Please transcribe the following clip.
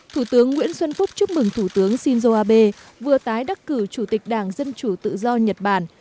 thủ tướng nguyễn xuân phúc chúc mừng thủ tướng shinzo abe vừa tái đắc cử chủ tịch đảng dân chủ tự do nhật bản